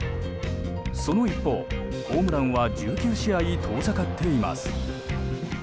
その一方、ホームランは１９試合遠ざかっています。